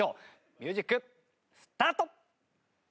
ミュージックスタート！